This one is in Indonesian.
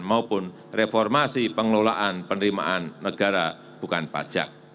maupun reformasi pengelolaan penerimaan negara bukan pajak